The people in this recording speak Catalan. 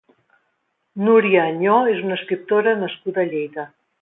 Núria Añó és una escriptora nascuda a Lleida.